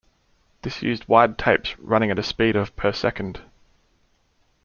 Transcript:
This used wide tapes running at a speed of per second.